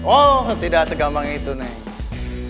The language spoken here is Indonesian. oh tidak segampang itu nih